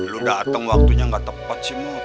lo dateng waktunya nggak tepat sih mut